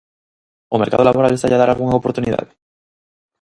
O mercado laboral estalle a dar algunha oportunidade?